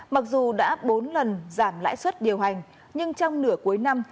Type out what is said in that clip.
mặc dù đã bốn lần giảm lãi suất điều hành nhưng trong nửa cuối năm